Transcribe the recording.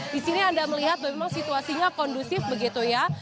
di sini anda melihat memang situasinya kondusif begitu ya